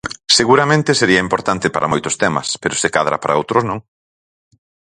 Seguramente sería importante para moitos temas, pero se cadra para outros non.